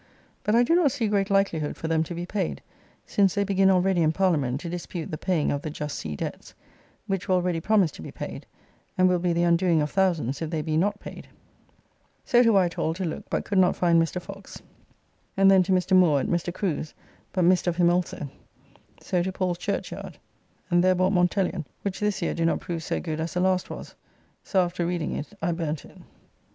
But I do not see great likelihood for them to be paid, since they begin already in Parliament to dispute the paying of the just sea debts, which were already promised to be paid, and will be the undoing of thousands if they be not paid. So to Whitehall to look but could not find Mr. Fox, and then to Mr. Moore at Mr. Crew's, but missed of him also. So to Paul's Churchyard, and there bought Montelion, which this year do not prove so good as the last was; so after reading it I burnt it.